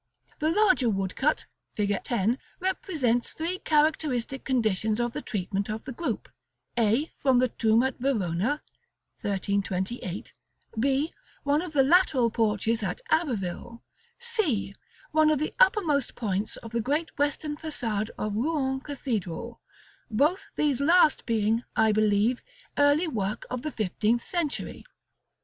The larger woodcut, Fig. X., represents three characteristic conditions of the treatment of the group: a, from a tomb at Verona (1328); b, one of the lateral porches at Abbeville; c, one of the uppermost points of the great western façade of Rouen Cathedral; both these last being, I believe, early work of the fifteenth century.